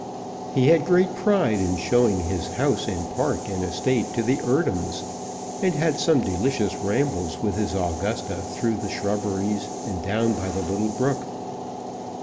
He had great pride in showing his house and park and estate to the Eardhams, and had some delicious rambles with his Augusta through the shrubberies and down by the little brook.